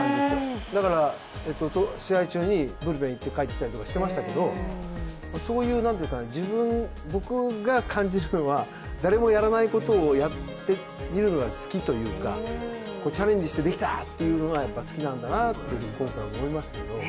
だから、試合中にブルペン行って帰ってきたりとかしていましたけど、そういう、僕が感じるのは、誰もやらないことをやっているのが好きというかチャレンジしてできたーっていうのが好きなんだなって今回も思いましたけど。